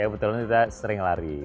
kebetulan kita sering lari